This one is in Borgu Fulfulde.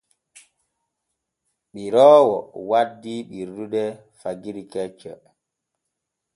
Ɓiroowo waddi ɓirdude fagiri kecce.